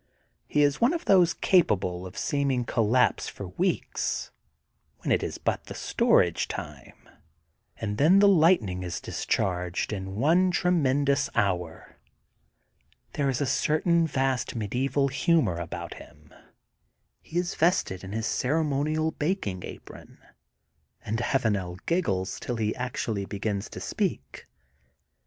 He is one of those capable of seeming collapse for weeks, when it is but the storage time, and then the lightning is discharged in one tre mendous hour. There is a certain vast medieval humor about him. He is vested in his ceremonial bak ing apron and Avanel giggles till he actually begins to speak.